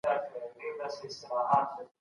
د شتمنو په ظاهري بڼه مه غولیږه.